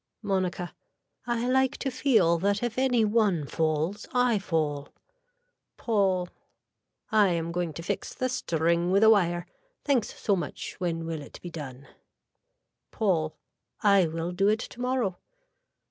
(Monica.) I like to feel that if any one falls I fall. (Paul.) I am going to fix the string with a wire. Thanks so much when will it be done. (Paul.) I will do it tomorrow.